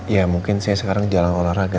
ya mungkin saya sekarang jalan olahraga